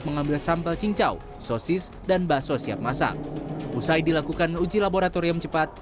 mengambil sampel cincau sosis dan bakso siap masak usai dilakukan uji laboratorium cepat